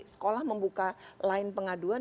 sekolah membuka line pengaduan